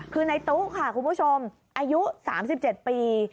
คือในตู้ค่ะคุณผู้ชมอายุ๓๗ปี